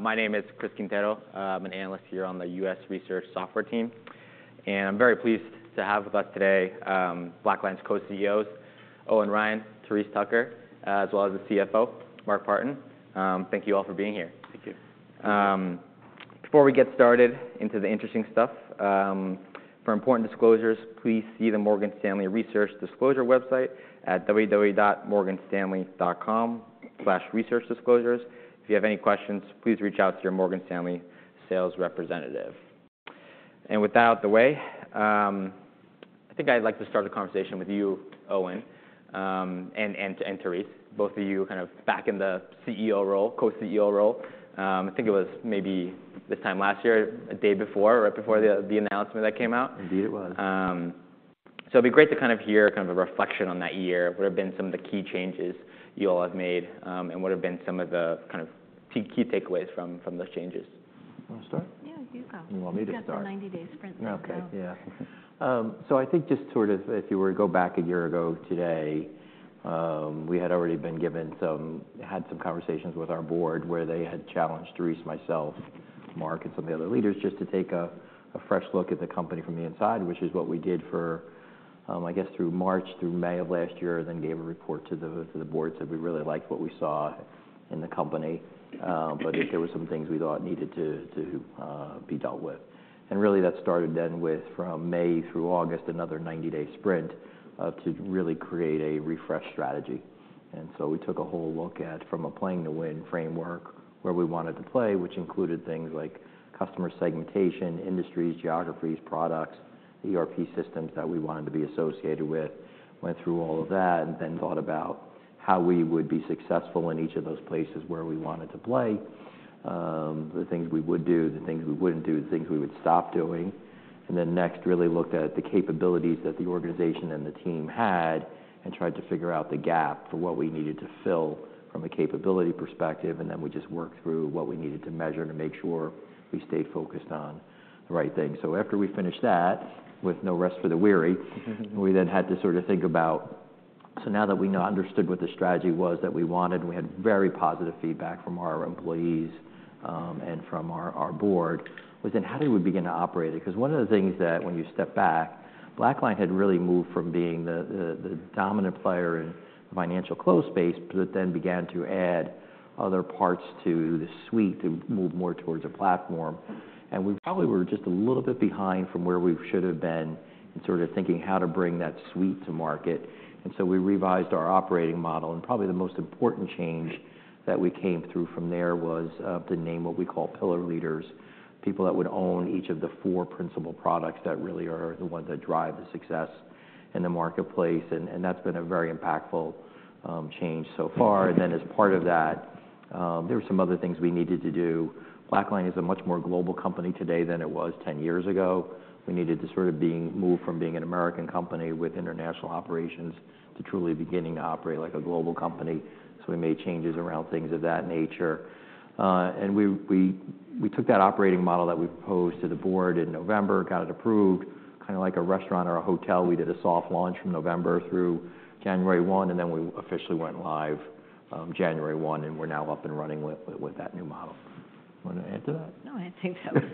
My name is Chris Quintero. I'm an analyst here on the U.S. Research Software team, and I'm very pleased to have with us today, BlackLine's Co-CEOs, Owen Ryan, Therese Tucker, as well as the CFO, Mark Partin. Thank you all for being here. Thank you. Before we get started into the interesting stuff, for important disclosures, please see the Morgan Stanley Research Disclosure website at www.morganstanley.com/researchdisclosures. If you have any questions, please reach out to your Morgan Stanley sales representative. With that out of the way, I think I'd like to start the conversation with you, Owen, and Therese, both of you kind of back in the CEO role, co-CEO role. I think it was maybe this time last year, a day before, right before the announcement that came out. Indeed it was. So it'd be great to kind of hear a reflection on that year. What have been some of the key changes you all have made, and what have been some of the kind of key takeaways from those changes? Wanna start? Yeah, you go. You want me to start? You got the 90-day sprint, so. Okay. Yeah. So I think just sort of if you were to go back a year ago today, we had already been given some conversations with our board, where they had challenged Therese, myself, Mark, and some of the other leaders, just to take a fresh look at the company from the inside, which is what we did for, I guess, through March, through May of last year, then gave a report to the board, said we really liked what we saw in the company, but there were some things we thought needed to be dealt with. And really, that started then with, from May through August, another 90-day sprint to really create a refresh strategy. So we took a whole look at, from a Playing to Win framework, where we wanted to play, which included things like customer segmentation, industries, geographies, products, ERP systems that we wanted to be associated with. Went through all of that, and then thought about how we would be successful in each of those places where we wanted to play. The things we would do, the things we wouldn't do, the things we would stop doing. And then next, really looked at the capabilities that the organization and the team had, and tried to figure out the gap for what we needed to fill from a capability perspective. And then we just worked through what we needed to measure to make sure we stayed focused on the right things. So after we finished that, with no rest for the weary... We then had to sort of think about, so now that we understood what the strategy was that we wanted, we had very positive feedback from our employees, and from our board, was then how do we begin to operate it? 'Cause one of the things that when you step back, BlackLine had really moved from being the dominant player in the financial close space, but then began to add other parts to the suite to move more towards a platform. And we probably were just a little bit behind from where we should have been in sort of thinking how to bring that suite to market, and so we revised our operating model. Probably the most important change that we came through from there was to name what we call pillar leaders, people that would own each of the 4 principal products that really are the ones that drive the success in the marketplace, and that's been a very impactful change so far. Then as part of that, there were some other things we needed to do. BlackLine is a much more global company today than it was 10 years ago. We needed to move from being an American company with international operations to truly beginning to operate like a global company, so we made changes around things of that nature. And we took that operating model that we proposed to the board in November, got it approved. Kinda like a restaurant or a hotel, we did a soft launch from November through January 1, and then we officially went live, January 1, and we're now up and running with that new model. Wanna add to that? No, I think that was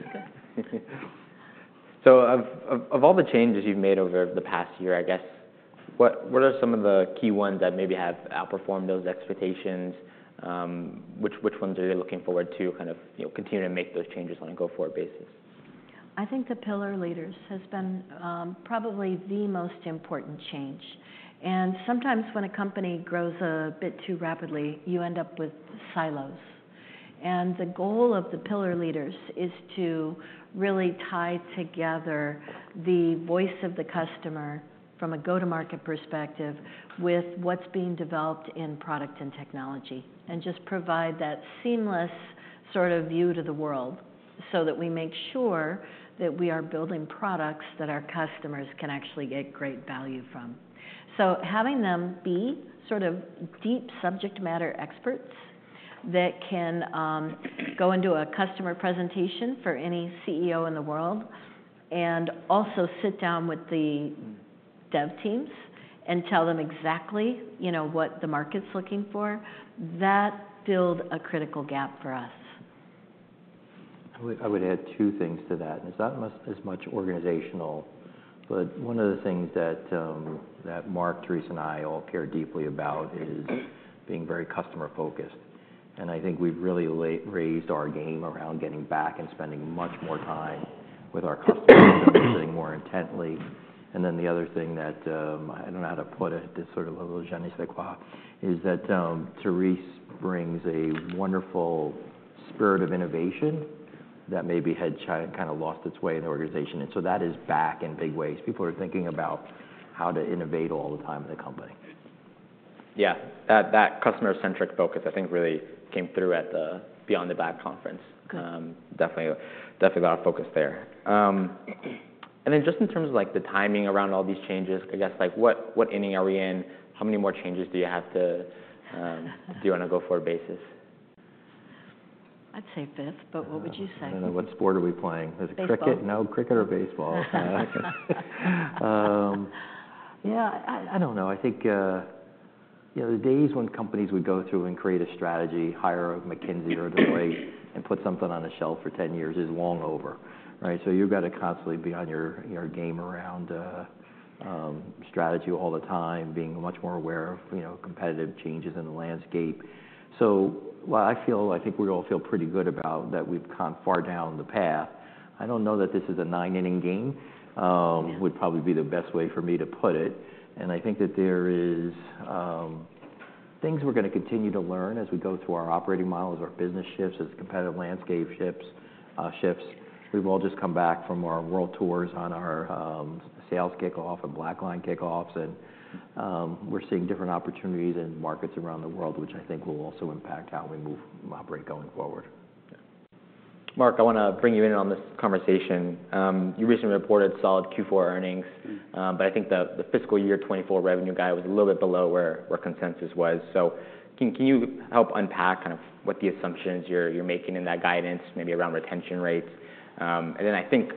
good. Of all the changes you've made over the past year, I guess, what are some of the key ones that maybe have outperformed those expectations? Which ones are you looking forward to kind of, you know, continue to make those changes on a go-forward basis? I think the pillar leaders has been probably the most important change. Sometimes when a company grows a bit too rapidly, you end up with silos. The goal of the pillar leaders is to really tie together the voice of the customer from a go-to-market perspective with what's being developed in product and technology, and just provide that seamless sort of view to the world, so that we make sure that we are building products that our customers can actually get great value from. So having them be sort of deep subject matter experts that can go into a customer presentation for any CEO in the world, and also sit down with the dev teams and tell them exactly, you know, what the market's looking for, that filled a critical gap for us. I would add two things to that, and it's not as much organizational, but one of the things that Mark, Therese, and I all care deeply about is being very customer-focused. I think we've really raised our game around getting back and spending much more time with our customers, listening more intently. Then the other thing that I don't know how to put it, this sort of a little je ne sais quoi, is that Therese brings a wonderful spirit of innovation that maybe had kind of lost its way in the organization, and so that is back in big ways. People are thinking about how to innovate all the time in the company. Yeah. That, that customer-centric focus I think really came through at the Beyond the Black conference. Good. Definitely, definitely a lot of focus there. And then just in terms of, like, the timing around all these changes, I guess, like, what, what inning are we in? How many more changes do you have to,... do you wanna go for a basis? I'd say fifth, but what would you say? I don't know. What sport are we playing? Baseball. Is it cricket? No, cricket or baseball. Yeah, I, I don't know. I think, yeah, the days when companies would go through and create a strategy, hire a McKinsey or a Deloitte, and put something on the shelf for ten years is long over, right? So you've got to constantly be on your, your game around strategy all the time, being much more aware of, you know, competitive changes in the landscape. So while I feel, I think we all feel pretty good about that we've come far down the path, I don't know that this is a nine-inning game, would probably be the best way for me to put it. And I think that there is things we're gonna continue to learn as we go through our operating model, as our business shifts, as the competitive landscape shifts. We've all just come back from our world tours on our, sales kickoff and BlackLine kickoffs, and, we're seeing different opportunities in markets around the world, which I think will also impact how we move and operate going forward. Mark, I wanna bring you in on this conversation. You recently reported solid Q4 earnings, but I think the fiscal year 2024 revenue guide was a little bit below where consensus was. So can you help unpack kind of what the assumptions you're making in that guidance, maybe around retention rates? And then I think,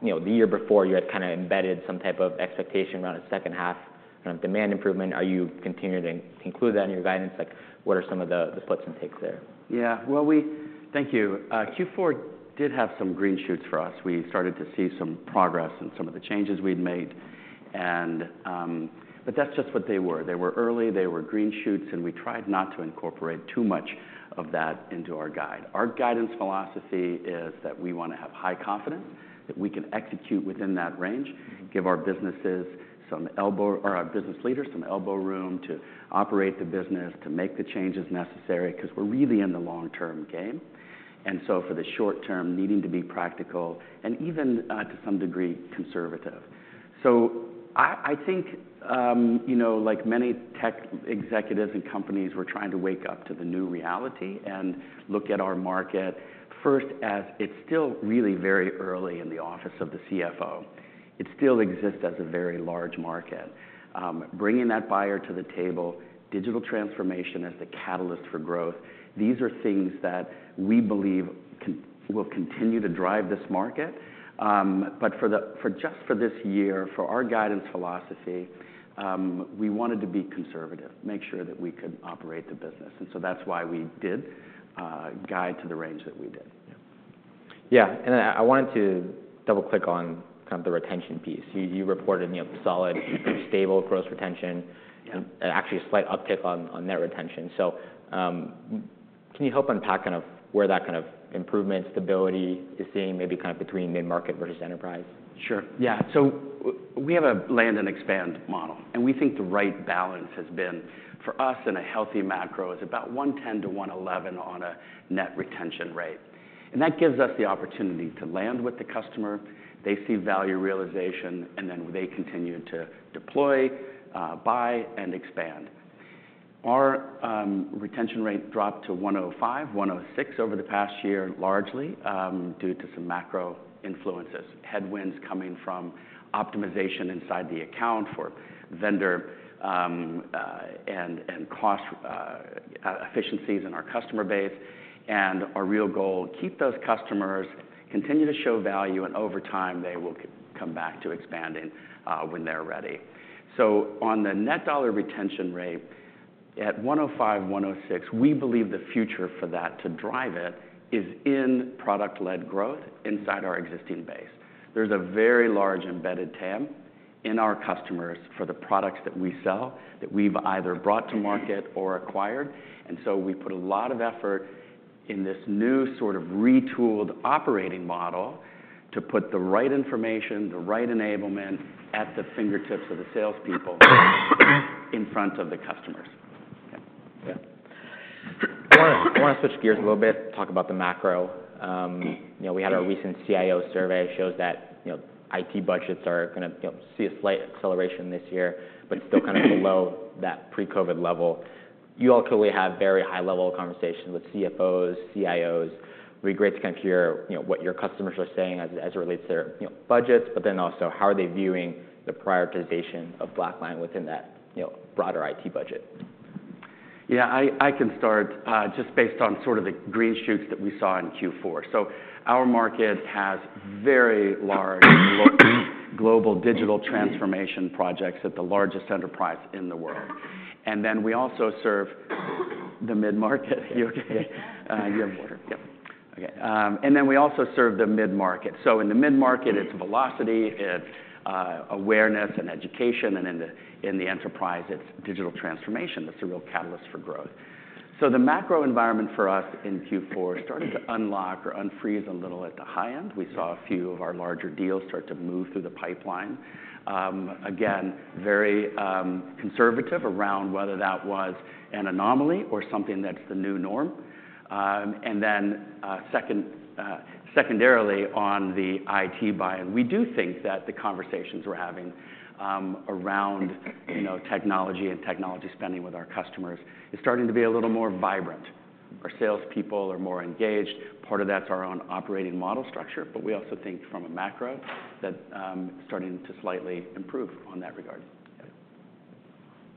you know, the year before, you had kinda embedded some type of expectation around the second half, kind of demand improvement. Are you continuing to include that in your guidance? Like, what are some of the splits and takes there? Yeah. Well, thank you. Q4 did have some green shoots for us. We started to see some progress in some of the changes we'd made, and... But that's just what they were. They were early, they were green shoots, and we tried not to incorporate too much of that into our guide. Our guidance philosophy is that we wanna have high confidence that we can execute within that range, give our businesses some elbow- or our business leaders some elbow room to operate the business, to make the changes necessary, 'cause we're really in the long-term game. And so for the short term, needing to be practical and even, to some degree, conservative. So I think, you know, like many tech executives and companies, we're trying to wake up to the new reality and look at our market first, as it's still really very early in the office of the CFO. It still exists as a very large market. Bringing that buyer to the table, digital transformation as the catalyst for growth, these are things that we believe will continue to drive this market. But for just for this year, for our guidance philosophy, we wanted to be conservative, make sure that we could operate the business, and so that's why we did guide to the range that we did. Yeah. I wanted to double-click on kind of the retention piece. You reported, you know, solid, stable growth retention- Yeah... and actually, a slight uptick on, on net retention. So, can you help unpack kind of where that kind of improvement, stability is seeing, maybe kind of between mid-market versus enterprise? Sure, yeah. So we have a land and expand model, and we think the right balance has been, for us, in a healthy macro, is about 110-111 on a net retention rate. And that gives us the opportunity to land with the customer. They see value realization, and then they continue to deploy, buy, and expand. Our retention rate dropped to 105, 106 over the past year, largely due to some macro influences, headwinds coming from optimization inside the account for vendor and cost efficiencies in our customer base. And our real goal, keep those customers, continue to show value, and over time, they will come back to expanding when they're ready. On the net dollar retention rate, at 105%, 106%, we believe the future for that to drive it is in product-led growth inside our existing base. There's a very large embedded TAM in our customers for the products that we sell, that we've either brought to market or acquired, and so we put a lot of effort in this new sort of retooled operating model to put the right information, the right enablement at the fingertips of the salespeople, in front of the customers. Yeah. I wanna switch gears a little bit, talk about the macro. You know, we had our recent CIO survey, shows that, you know, IT budgets are gonna, you know, see a slight acceleration this year, but still kind of below that pre-COVID level. You all clearly have very high-level conversations with CFOs, CIOs. It'd be great to kind of hear, you know, what your customers are saying as it relates to their, you know, budgets, but then also, how are they viewing the prioritization of BlackLine within that, you know, broader IT budget? Yeah, I can start just based on sort of the green shoots that we saw in Q4. So our market has very large global digital transformation projects at the largest enterprise in the world. And then we also serve the mid-market. You okay? You have water. Yep. Okay, and then we also serve the mid-market. So in the mid-market, it's velocity, it's awareness and education, and in the enterprise, it's digital transformation that's a real catalyst for growth. So the macro environment for us in Q4 started to unlock or unfreeze a little at the high end. We saw a few of our larger deals start to move through the pipeline. Again, very conservative around whether that was an anomaly or something that's the new norm. And then, secondarily, on the IT buy-in, we do think that the conversations we're having around, you know, technology and technology spending with our customers is starting to be a little more vibrant. Our salespeople are more engaged. Part of that's our own operating model structure, but we also think from a macro, that starting to slightly improve on that regard.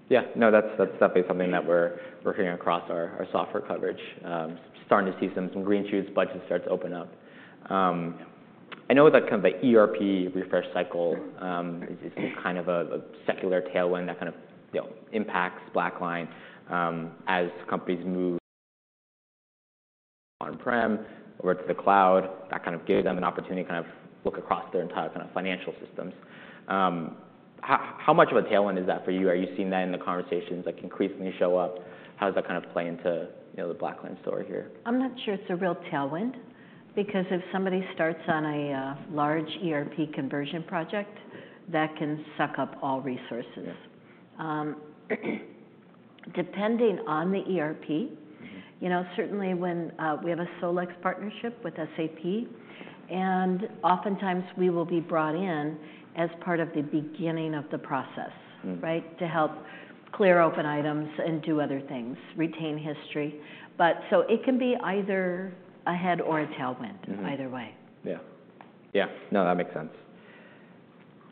Yeah, no, that's definitely something that we're working on across our software coverage. Starting to see some green shoots, budgets start to open up. I know that kind of the ERP refresh cycle is kind of a secular tailwind that kind of, you know, impacts BlackLine as companies move on-prem over to the cloud. That kind of gives them an opportunity to kind of look across their entire kind of financial systems. How much of a tailwind is that for you? Are you seeing that in the conversations, like, increasingly show up? How does that kind of play into, you know, the BlackLine story here? I'm not sure it's a real tailwind, because if somebody starts on a large ERP conversion project, that can suck up all resources. Depending on the ERP- You know, certainly when we have a SolEx partnership with SAP, and oftentimes we will be brought in as part of the beginning of the process- Right? To help clear open items and do other things, retain history. But so it can be either a head or a tailwind. Either way. Yeah. Yeah. No, that makes sense.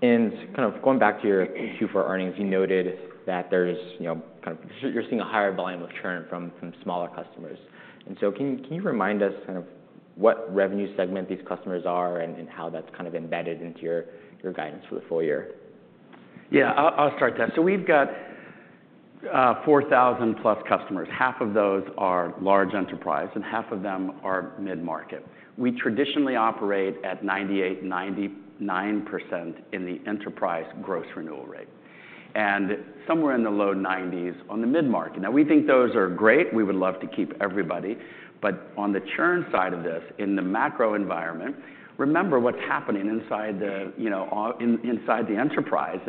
And kind of going back to your Q4 earnings, you noted that there's, you know, kind of—you're seeing a higher volume of churn from smaller customers. And so can you remind us kind of what revenue segment these customers are and how that's kind of embedded into your guidance for the full year? Yeah, I'll start that. So we've got 4,000+ customers. Half of those are large enterprise, and half of them are mid-market. We traditionally operate at 98%-99% in the enterprise gross renewal rate, and somewhere in the low 90s on the mid-market. Now, we think those are great. We would love to keep everybody, but on the churn side of this, in the macro environment, remember what's happening inside the enterprise, you know,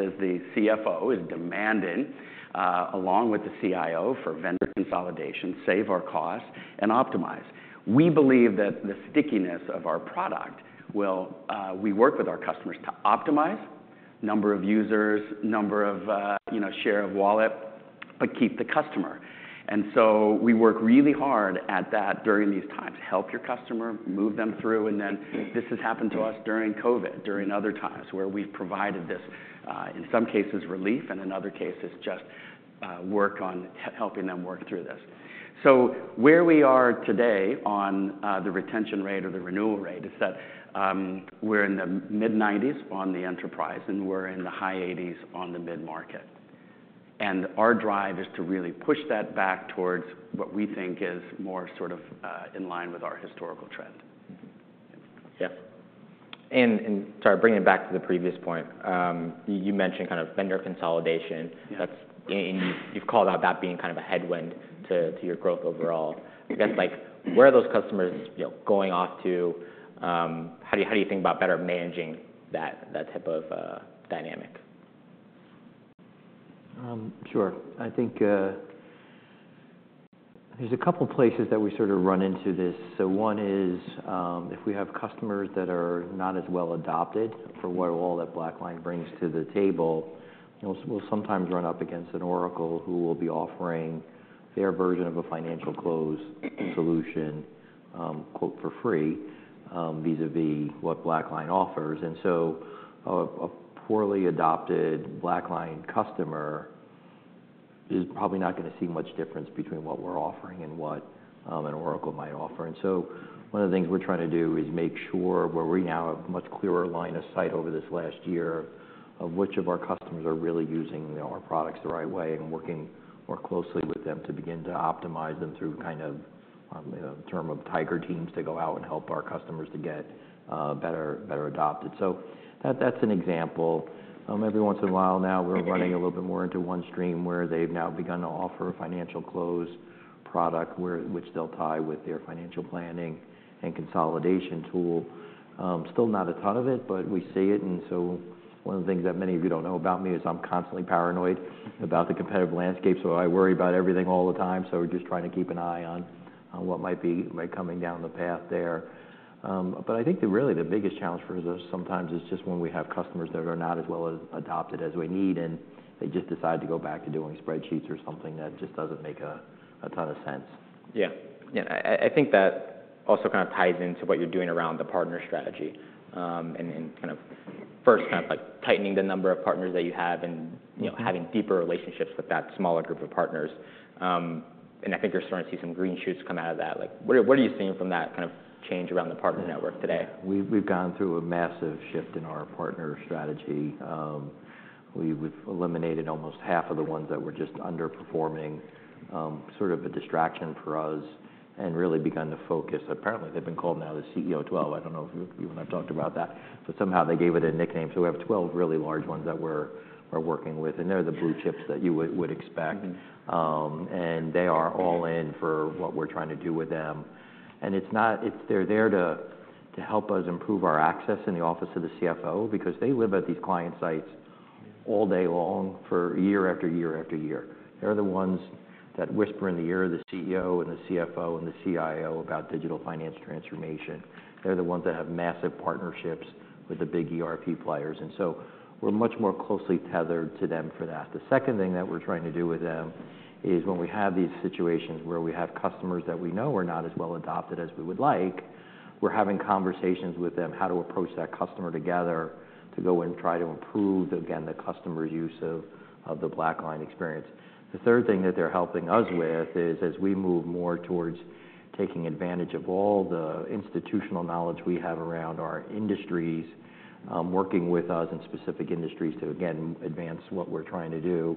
as the CFO is demanding along with the CIO for vendor consolidation, save our costs, and optimize. We believe that the stickiness of our product will. We work with our customers to optimize number of users, number of, you know, share of wallet, but keep the customer. And so we work really hard at that during these times. Help your customer, move them through, and then- Mm. This has happened to us during COVID, during other times, where we've provided this, in some cases, relief, and in other cases, just work on helping them work through this. So where we are today on the retention rate or the renewal rate is that we're in the mid-90s% on the enterprise, and we're in the high 80s% on the mid-market. And our drive is to really push that back towards what we think is more sort of in line with our historical trend. Mm-hmm. Yeah. Sorry, bringing it back to the previous point. You mentioned kind of vendor consolidation- Yeah. That's, and you've called out that being kind of a headwind to your growth overall. Mm-hmm. I guess, like, where are those customers, you know, going off to? How do you, how do you think about better managing that, that type of, dynamic? Sure. I think, there's a couple places that we sort of run into this. So one is, if we have customers that are not as well adopted for what all that BlackLine brings to the table, you know, we'll, we'll sometimes run up against an Oracle who will be offering their version of a financial close solution, quote, "for free," vis-a-vis what BlackLine offers. And so a, a poorly adopted BlackLine customer is probably not gonna see much difference between what we're offering and what, an Oracle might offer. So one of the things we're trying to do is make sure, where we now have a much clearer line of sight over this last year, of which of our customers are really using, you know, our products the right way, and working more closely with them to begin to optimize them through kind of, you know, term of tiger teams, to go out and help our customers to get better, better adopted. So that's an example. Every once in a while now, we're running a little bit more into OneStream, where they've now begun to offer a financial close product, which they'll tie with their financial planning and consolidation tool. Still not a ton of it, but we see it. So one of the things that many of you don't know about me is, I'm constantly paranoid about the competitive landscape, so I worry about everything all the time. So we're just trying to keep an eye on what might be, like, coming down the path there. But I think that really the biggest challenge for us sometimes is just when we have customers that are not as well as adopted as we need, and they just decide to go back to doing spreadsheets or something, that just doesn't make a ton of sense. Yeah. Yeah, I think that also kind of ties into what you're doing around the partner strategy, and kind of first, kind of like tightening the number of partners that you have and, you know, having deeper relationships with that smaller group of partners. And I think you're starting to see some green shoots come out of that. Like, what are you seeing from that kind of change around the partner network today? We've gone through a massive shift in our partner strategy. We've eliminated almost half of the ones that were just underperforming, sort of a distraction for us, and really begun to focus. Apparently, they've been called now the CEO 12. I don't know if you and I have talked about that, but somehow they gave it a nickname. So we have 12 really large ones that we're working with, and they're the blue chips that you would expect. Mm-hmm. And they are all in for what we're trying to do with them. They're there to help us improve our access in the office of the CFO, because they live at these client sites all day long, year after year after year. They're the ones that whisper in the ear of the CEO, and the CFO, and the CIO about digital finance transformation. They're the ones that have massive partnerships with the big ERP players, and so we're much more closely tethered to them for that. The second thing that we're trying to do with them is, when we have these situations where we have customers that we know are not as well adopted as we would like, we're having conversations with them, how to approach that customer together to go and try to improve, again, the customer's use of, of the BlackLine experience. The third thing that they're helping us with is, as we move more towards taking advantage of all the institutional knowledge we have around our industries, working with us in specific industries to, again, advance what we're trying to do.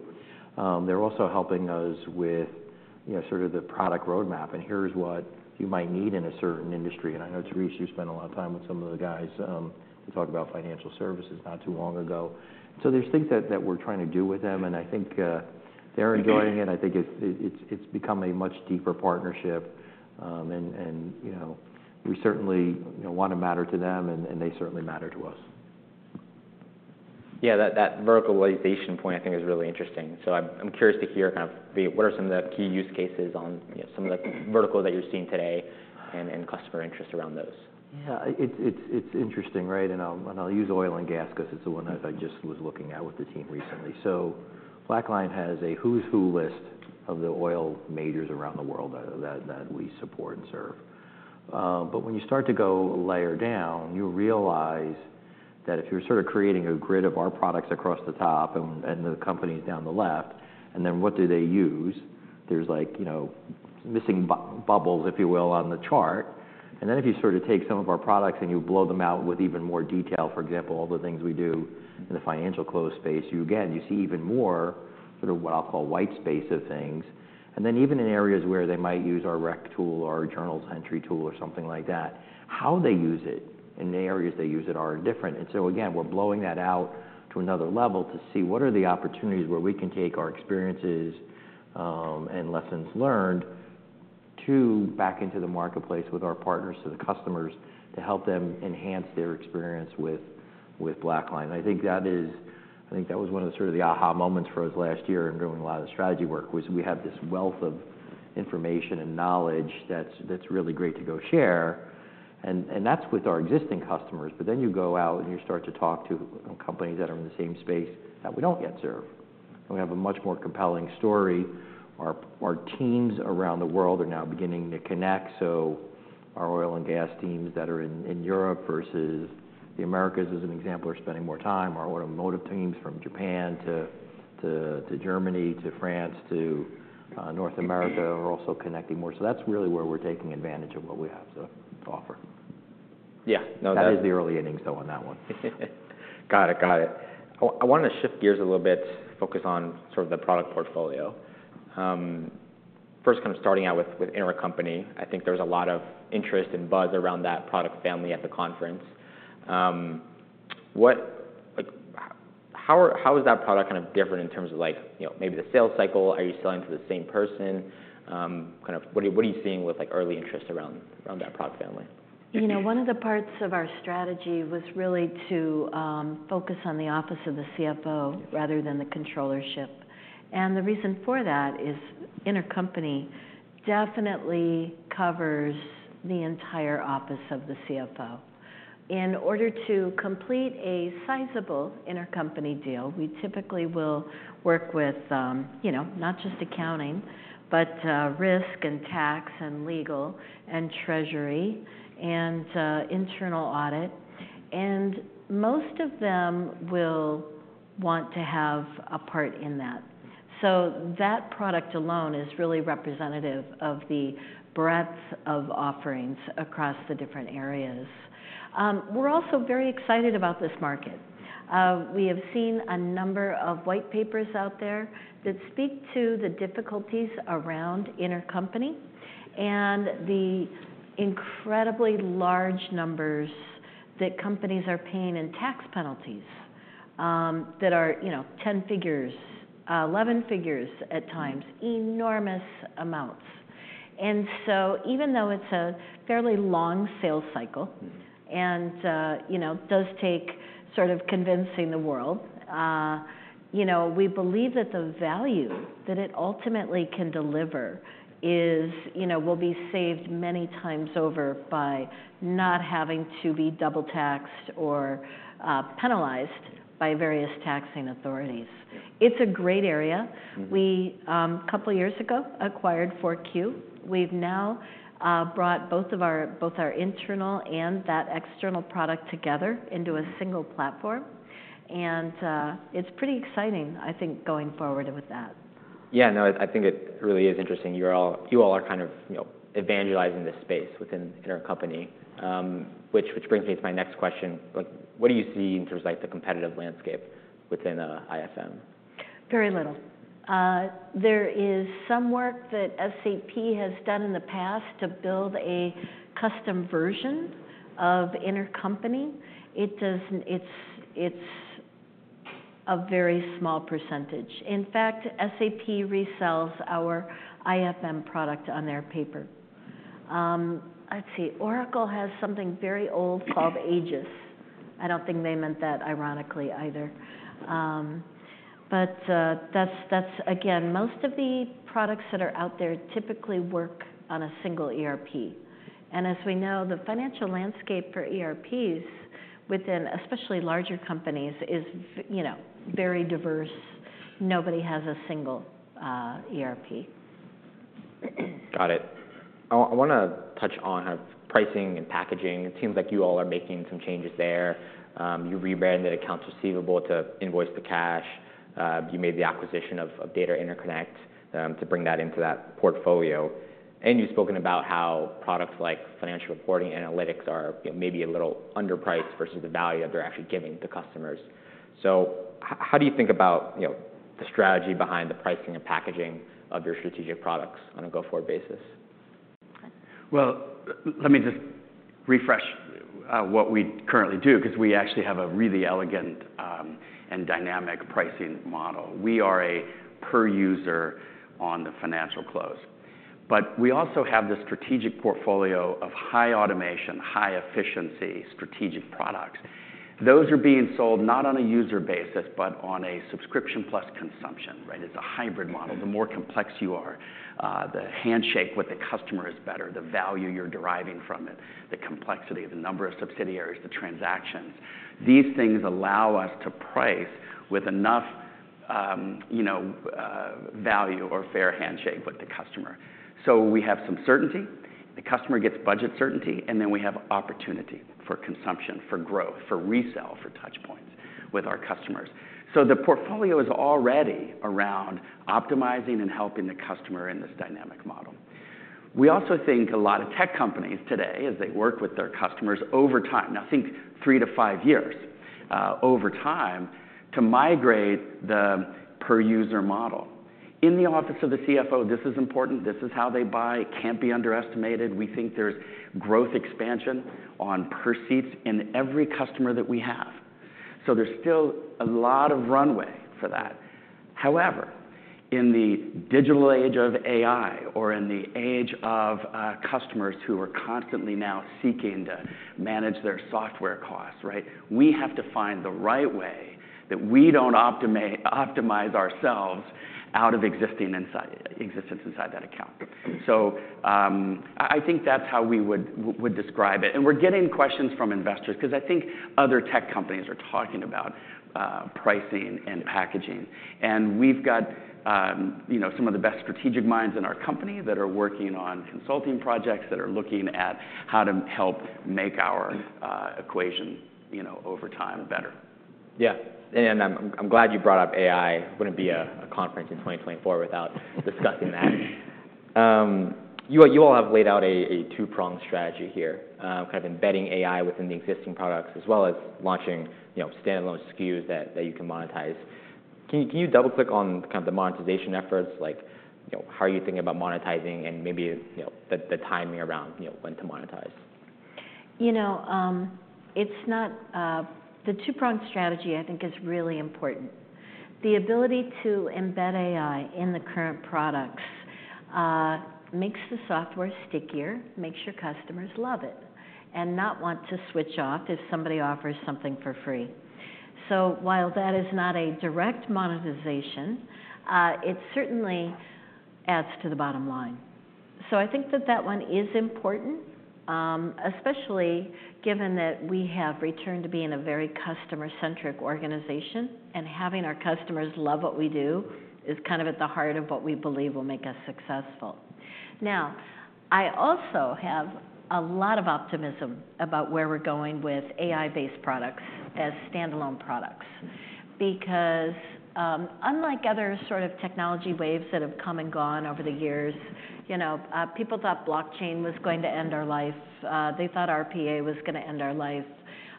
They're also helping us with, you know, sort of the product roadmap, and here's what you might need in a certain industry. And I know, Therese, you spent a lot of time with some of the guys, to talk about financial services not too long ago. So there's things that we're trying to do with them, and I think they're enjoying it. I think it's become a much deeper partnership, and you know, we certainly, you know, want to matter to them, and they certainly matter to us. Yeah, that, that verticalization point I think is really interesting. So I'm, I'm curious to hear kind of the-- what are some of the key use cases on, you know, some of the vertical that you're seeing today and, and customer interest around those? Yeah. It's interesting, right? I'll use oil and gas 'cause it's the one that I just was looking at with the team recently. BlackLine has a who's who list of the oil majors around the world that we support and serve. But when you start to go a layer down, you realize that if you're sort of creating a grid of our products across the top and the companies down the left, and then what do they use? There's like, you know, missing bubbles, if you will, on the chart. Then, if you sort of take some of our products and you blow them out with even more detail, for example, all the things we do in the financial close space, you again, you see even more sort of what I'll call white space of things. Then, even in areas where they might use our rec tool or our journals entry tool or something like that, how they use it and the areas they use it are different. And so, again, we're blowing that out to another level to see what are the opportunities where we can take our experiences and lessons learned to back into the marketplace with our partners, to the customers, to help them enhance their experience with, with BlackLine. I think that is. I think that was one of the sort of the aha moments for us last year in doing a lot of the strategy work, was we have this wealth of information and knowledge that's, that's really great to go share, and, and that's with our existing customers. But then, you go out, and you start to talk to, you know, companies that are in the same space that we don't yet serve, and we have a much more compelling story. Our teams around the world are now beginning to connect, so our oil and gas teams that are in Europe versus the Americas, as an example, are spending more time. Our automotive teams from Japan to Germany, to France, to North America are also connecting more. So that's really where we're taking advantage of what we have to offer. Yeah. No, that- That is the early innings, though, on that one. Got it. Got it. Well, I wanted to shift gears a little bit, focus on sort of the product portfolio. First, kind of starting out with intercompany, I think there's a lot of interest and buzz around that product family at the conference. Like, how is that product kind of different in terms of like, you know, maybe the sales cycle? Are you selling to the same person? Kind of what are you seeing with like early interest around that product family? You know, one of the parts of our strategy was really to focus on the office of the CFO rather than the controllership, and the reason for that is intercompany definitely covers the entire office of the CFO. In order to complete a sizable intercompany deal, we typically will work with you know, not just accounting, but risk, and tax, and legal, and treasury, and internal audit, and most of them will want to have a part in that. So that product alone is really representative of the breadth of offerings across the different areas. We're also very excited about this market. We have seen a number of white papers out there that speak to the difficulties around intercompany and the incredibly large numbers that companies are paying in tax penalties, that are, you know, 10 figures, 11 figures at times, enormous amounts. And so even though it's a fairly long sales cycle, and, you know, does take sort of convincing the world, you know, we believe that the value that it ultimately can deliver is... You know, will be saved many times over by not having to be double taxed or, penalized by various taxing authorities. Yeah. It's a great area. Mm-hmm. We couple years ago acquired FourQ. We've now brought both our internal and that external product together into a single platform, and it's pretty exciting, I think, going forward with that. Yeah, no, I think it really is interesting. You all are kind of, you know, evangelizing this space within intercompany, which brings me to my next question. Like, what do you see in terms of, like, the competitive landscape within IFM? Very little. There is some work that SAP has done in the past to build a custom version of intercompany. It's, it's a very small percentage. In fact, SAP resells our IFM product on their paper. Let's see. Oracle has something very old called AGIS. I don't think they meant that ironically either. But, that's... Again, most of the products that are out there typically work on a single ERP, and as we know, the financial landscape for ERPs within, especially larger companies, is, you know, very diverse. Nobody has a single ERP.... Got it. I wanna touch on pricing and packaging. It seems like you all are making some changes there. You rebranded accounts receivable to Invoice-to-Cash. You made the acquisition of Data Interconnect to bring that into that portfolio. And you've spoken about how products like Financial Reporting Analytics are maybe a little underpriced versus the value that they're actually giving the customers. So, how do you think about, you know, the strategy behind the pricing and packaging of your strategic products on a go-forward basis? Well, let me just refresh what we currently do, 'cause we actually have a really elegant and dynamic pricing model. We are a per user on the financial close. But we also have the strategic portfolio of high automation, high efficiency, strategic products. Those are being sold not on a user basis, but on a subscription plus consumption, right? It's a hybrid model. The more complex you are, the handshake with the customer is better, the value you're deriving from it, the complexity, the number of subsidiaries, the transactions. These things allow us to price with enough you know value or fair handshake with the customer. So we have some certainty, the customer gets budget certainty, and then we have opportunity for consumption, for growth, for resell, for touchpoints with our customers. So the portfolio is already around optimizing and helping the customer in this dynamic model. We also think a lot of tech companies today, as they work with their customers over time, now think 3-5 years over time, to migrate the per-user model. In the office of the CFO, this is important. This is how they buy. It can't be underestimated. We think there's growth expansion on per seats in every customer that we have, so there's still a lot of runway for that. However, in the digital age of AI or in the age of customers who are constantly now seeking to manage their software costs, right? We have to find the right way that we don't optimize ourselves out of existence inside that account. So, I think that's how we would describe it. And we're getting questions from investors, 'cause I think other tech companies are talking about pricing and packaging. And we've got, you know, some of the best strategic minds in our company that are working on consulting projects, that are looking at how to help make our equation, you know, over time, better. Yeah. And I'm glad you brought up AI. Wouldn't be a conference in 2024 without discussing that. You all have laid out a two-pronged strategy here, kind of embedding AI within the existing products, as well as launching, you know, standalone SKUs that you can monetize. Can you double-click on kind of the monetization efforts? Like, you know, how are you thinking about monetizing and maybe, you know, the timing around, you know, when to monetize? You know, the two-pronged strategy, I think, is really important. The ability to embed AI in the current products makes the software stickier, makes your customers love it, and not want to switch off if somebody offers something for free. So while that is not a direct monetization, it certainly adds to the bottom line. So I think that that one is important, especially given that we have returned to being a very customer-centric organization, and having our customers love what we do is kind of at the heart of what we believe will make us successful. Now, I also have a lot of optimism about where we're going with AI-based products as standalone products. Because, unlike other sort of technology waves that have come and gone over the years, you know, people thought blockchain was going to end our life, they thought RPA was gonna end our life.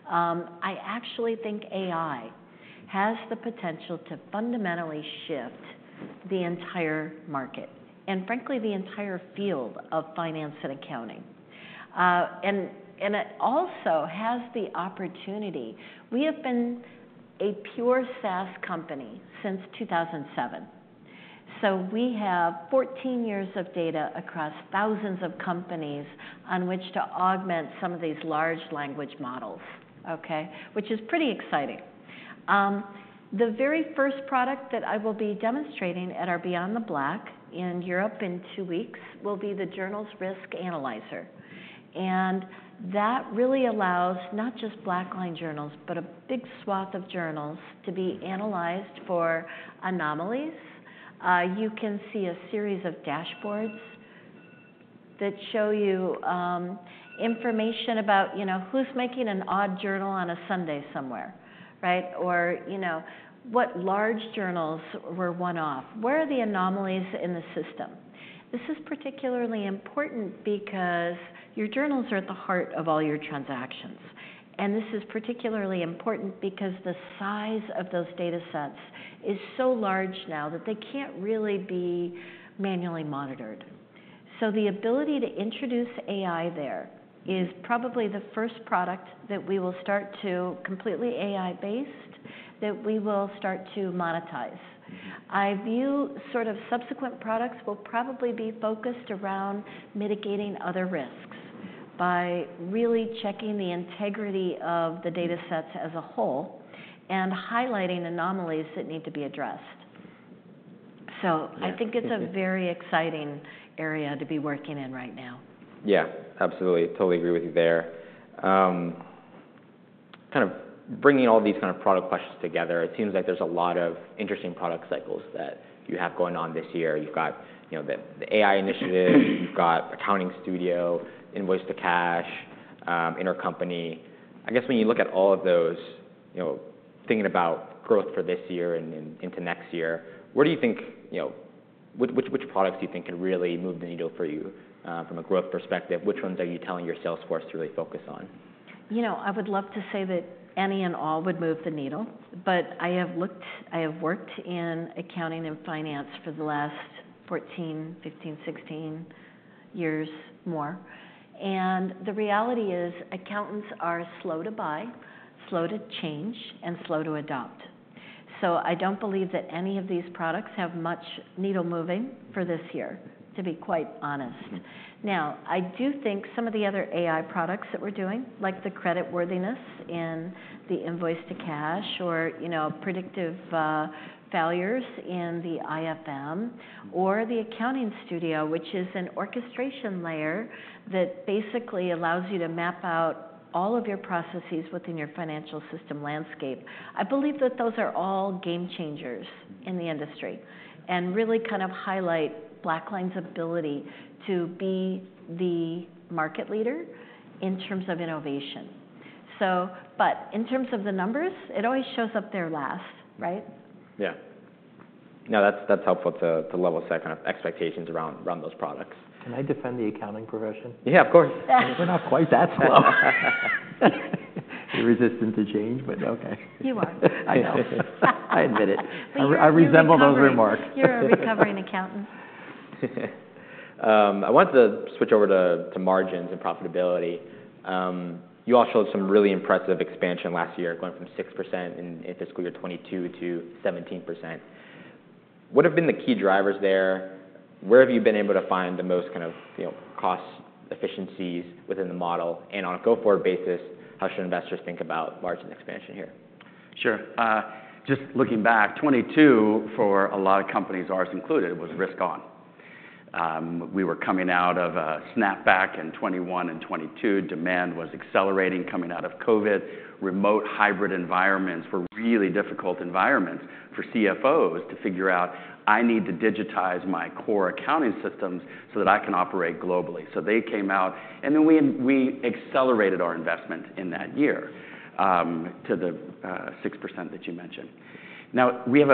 I actually think AI has the potential to fundamentally shift the entire market, and frankly, the entire field of finance and accounting. And it also has the opportunity. We have been a pure SaaS company since 2007, so we have 14 years of data across thousands of companies on which to augment some of these large language models, okay? Which is pretty exciting. The very first product that I will be demonstrating at our Beyond the Black in Europe in 2 weeks, will be the Journal Risk Analyzer. And that really allows not just BlackLine journals, but a big swath of journals to be analyzed for anomalies. You can see a series of dashboards that show you information about, you know, who's making an odd journal on a Sunday somewhere, right? Or, you know, what large journals were one-off. Where are the anomalies in the system? This is particularly important because your journals are at the heart of all your transactions. And this is particularly important because the size of those datasets is so large now that they can't really be manually monitored. So the ability to introduce AI there is probably the first product that we will start to—completely AI-based, that we will start to monetize. Mm-hmm. I view sort of subsequent products will probably be focused around mitigating other risks, by really checking the integrity of the datasets as a whole, and highlighting anomalies that need to be addressed. So- Yeah.... I think it's a very exciting area to be working in right now. Yeah, absolutely. Totally agree with you there. Kind of bringing all these kind of product questions together, it seems like there's a lot of interesting product cycles that you have going on this year. You've got, you know, the, the AI initiative, you've got Accounting Studio, Invoice-to-Cash, Intercompany. I guess when you look at all of those, you know, thinking about growth for this year and then into next year, where do you think, you know, which, which products do you think can really move the needle for you, from a growth perspective? Which ones are you telling your sales force to really focus on? You know, I would love to say that any and all would move the needle, but I have worked in accounting and finance for the last 14, 15, 16 years or more, and the reality is accountants are slow to buy, slow to change, and slow to adopt. So I don't believe that any of these products have much needle moving for this year, to be quite honest. Now, I do think some of the other AI products that we're doing, like the creditworthiness in the invoice to cash or, you know, predictive, failures in the IFM, or the Accounting Studio, which is an orchestration layer that basically allows you to map out all of your processes within your financial system landscape. I believe that those are all game changers in the industry, and really kind of highlight BlackLine's ability to be the market leader in terms of innovation. So, but in terms of the numbers, it always shows up there last, right? Yeah. No, that's helpful to level-set kind of expectations around those products. Can I defend the accounting profession? Yeah, of course. We're not quite that slow. Resistant to change, but okay. You are. I know. I admit it. But you're a recovering- I resemble those remarks. You're a recovering accountant. I wanted to switch over to, to margins and profitability. You all showed some really impressive expansion last year, going from 6% in fiscal year 2022 to 17%. What have been the key drivers there? Where have you been able to find the most kind of, you know, cost efficiencies within the model? And on a go-forward basis, how should investors think about margin expansion here? Sure. Just looking back, 2022, for a lot of companies, ours included, was risk on. We were coming out of a snapback in 2021 and 2022. Demand was accelerating coming out of COVID. Remote hybrid environments were really difficult environments for CFOs to figure out: I need to digitize my core accounting systems so that I can operate globally. So they came out, and then we accelerated our investment in that year to the 6% that you mentioned. Now, we have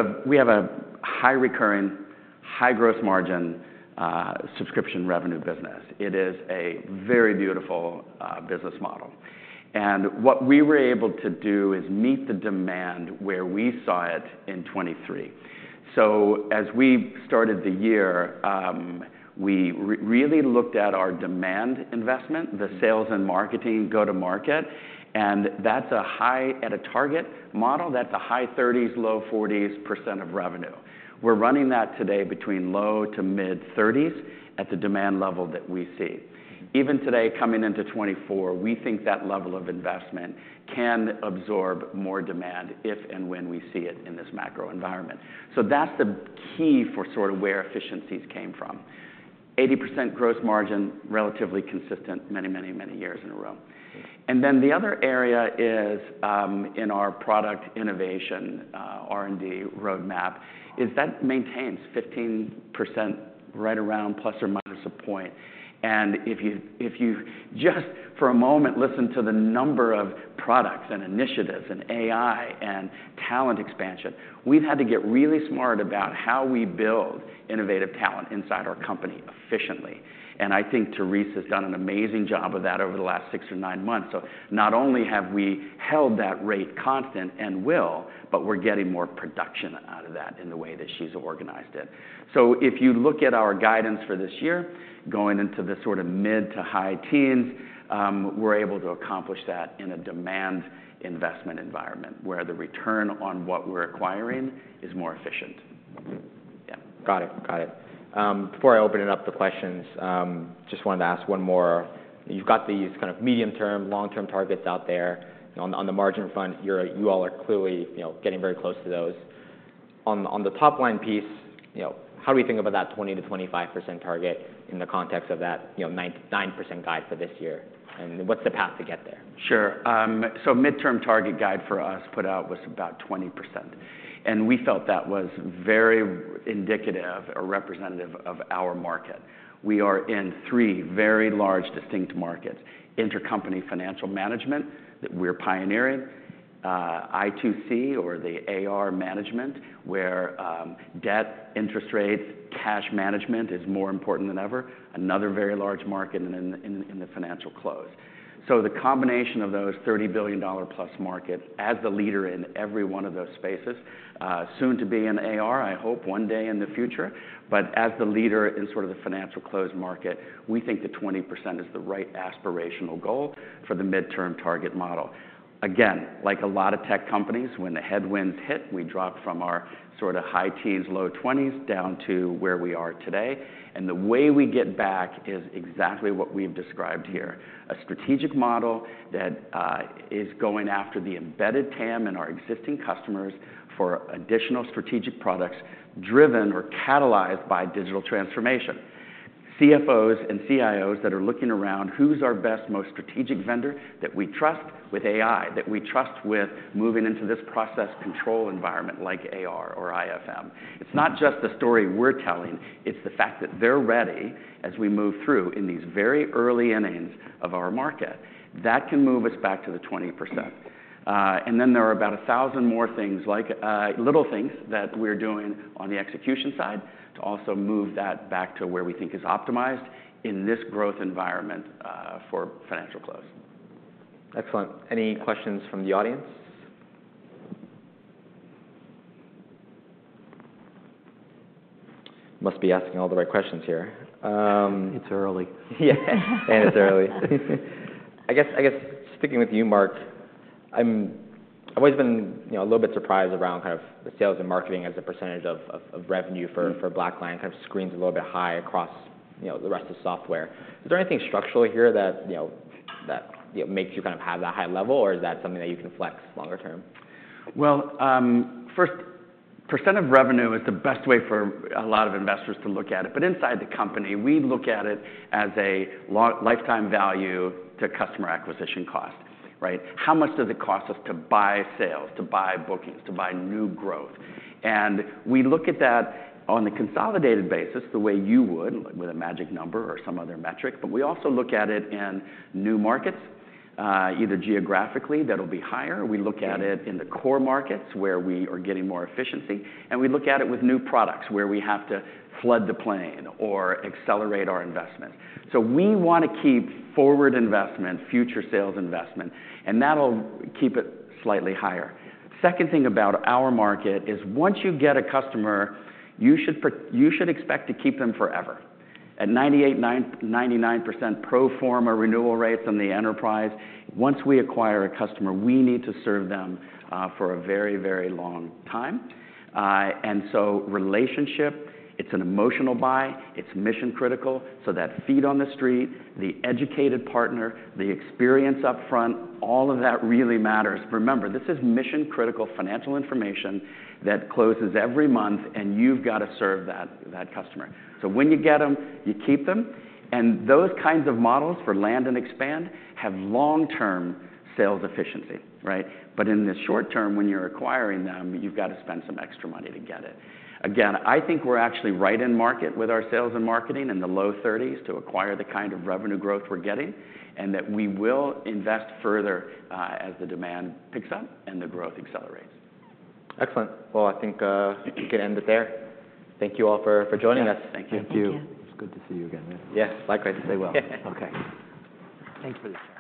a high recurring, high gross margin subscription revenue business. It is a very beautiful business model. And what we were able to do is meet the demand where we saw it in 2023. So as we started the year, we really looked at our demand investment, the sales and marketing go-to-market, and that's a high... At a target model, that's a high 30s-low 40s% of revenue. We're running that today between low-to mid-30s at the demand level that we see. Even today, coming into 2024, we think that level of investment can absorb more demand if and when we see it in this macro environment. So that's the key for sort of where efficiencies came from. 80% gross margin, relatively consistent many, many, many years in a row. And then the other area is, in our product innovation, R&D roadmap, is that maintains 15% right around ±1%. And if you, if you just for a moment listen to the number of products and initiatives and AI and talent expansion, we've had to get really smart about how we build innovative talent inside our company efficiently. I think Therese has done an amazing job of that over the last six or nine months. So not only have we held that rate constant and will, but we're getting more production out of that in the way that she's organized it. So if you look at our guidance for this year, going into the sort of mid to high teens, we're able to accomplish that in a demand investment environment, where the return on what we're acquiring is more efficient. Yeah. Got it. Got it. Before I open it up to questions, just wanted to ask one more. You've got these kind of medium-term, long-term targets out there. On the margin front, you're—you all are clearly, you know, getting very close to those. On the top-line piece, you know, how do we think about that 20%-25% target in the context of that, you know, 9%, 9% guide for this year? And what's the path to get there? Sure. So midterm target guide for us put out was about 20%, and we felt that was very indicative or representative of our market. We are in three very large, distinct markets: intercompany financial management, that we're pioneering, I2C or the AR management, where debt, interest rates, cash management is more important than ever. Another very large market in the financial close. So the combination of those $30 billion+ markets as the leader in every one of those spaces, soon to be in AR, I hope one day in the future. But as the leader in sort of the financial close market, we think that 20% is the right aspirational goal for the midterm target model. Again, like a lot of tech companies, when the headwinds hit, we dropped from our sort of high teens, low twenties, down to where we are today. And the way we get back is exactly what we've described here, a strategic model that is going after the embedded TAM and our existing customers for additional strategic products driven or catalyzed by digital transformation. CFOs and CIOs that are looking around, who's our best, most strategic vendor that we trust with AI, that we trust with moving into this process control environment like AR or IFM? It's not just the story we're telling, it's the fact that they're ready as we move through in these very early innings of our market. That can move us back to the 20%. And then there are about 1,000 more things, like, little things that we're doing on the execution side, to also move that back to where we think is optimized in this growth environment, for financial close. Excellent. Any questions from the audience? Must be asking all the right questions here. It's early. Yeah, and it's early. I guess sticking with you, Mark, I've always been, you know, a little bit surprised around kind of the sales and marketing as a percentage of revenue for BlackLine. Kind of screens a little bit high across, you know, the rest of the software. Is there anything structurally here that, you know, makes you kind of have that high level, or is that something that you can flex longer term? Well, first, percent of revenue is the best way for a lot of investors to look at it. But inside the company, we look at it as a lifetime value to customer acquisition cost, right? How much does it cost us to buy sales, to buy bookings, to buy new growth? And we look at that on a consolidated basis, the way you would with a magic number or some other metric, but we also look at it in new markets, either geographically, that'll be higher. We look at it in the core markets, where we are getting more efficiency, and we look at it with new products, where we have to flood the plane or accelerate our investment. So we want to keep forward investment, future sales investment, and that'll keep it slightly higher. Second thing about our market is once you get a customer, you should expect to keep them forever. At 98%-99% pro forma renewal rates on the enterprise, once we acquire a customer, we need to serve them for a very, very long time. And so relationship, it's an emotional buy, it's mission-critical, so that feet on the street, the educated partner, the experience up front, all of that really matters. Remember, this is mission-critical financial information that closes every month, and you've got to serve that, that customer. So when you get them, you keep them, and those kinds of models for land and expand have long-term sales efficiency, right? But in the short term, when you're acquiring them, you've got to spend some extra money to get it. Again, I think we're actually right in market with our sales and marketing in the low thirties to acquire the kind of revenue growth we're getting, and that we will invest further as the demand picks up and the growth accelerates. Excellent. Well, I think we can end it there. Thank you all for joining us. Yeah. Thank you. Thank you. Thank you. It's good to see you again, man. Yes, likewise. Stay well. Okay. Thanks for this.